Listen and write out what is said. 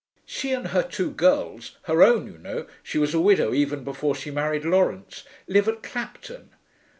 'She and her two girls (her own, you know; she was a widow even before she married Laurence) live at Clapton.